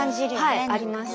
はいありました。